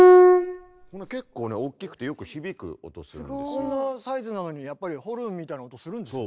こんなサイズなのにやっぱりホルンみたいな音するんですね。